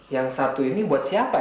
yang satu ini buat siapa